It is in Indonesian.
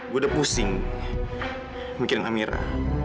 gua udah pusing mikirin amirah